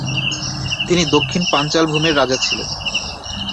তিনি দক্ষিণ পাঞ্চাল ভূমির রাজা ছিলেন।